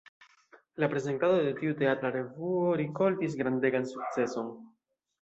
La prezentado de tiu teatra revuo rikoltis grandegan sukceson.